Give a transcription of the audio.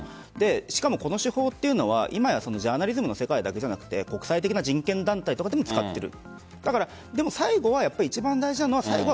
しかもこの手法というのは今やジャーナリズムの世界だけじゃなく国際的な人権団体とかでも使っている。